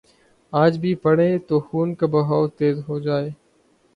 آج بھی پڑھیں تو خون کا بہاؤ تیز ہو جائے۔